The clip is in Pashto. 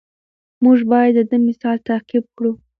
موږ باید د ده مثال تعقیب کړو.